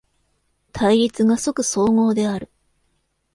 対立が即綜合である。